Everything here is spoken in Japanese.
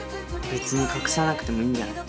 別に隠さなくてもいいんじゃない？